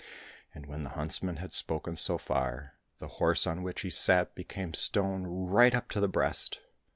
" And when the huntsman had spoken so far, the horse on which he sat became stone right up to the breast.